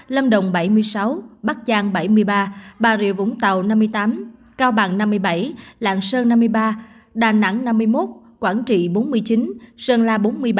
lạng sơn năm mươi ba đà nẵng năm mươi một quảng trị bốn mươi chín sơn la bốn mươi bảy